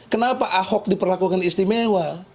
kenapa ahok diperlakukan istimewa